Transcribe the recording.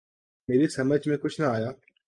میری سمجھ میں کچھ نہ آیا